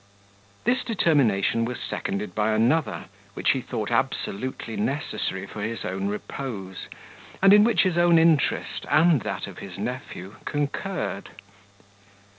This determination was seconded by another, which he thought absolutely necessary for his own repose, and in which his own interest, and that of his nephew, concurred.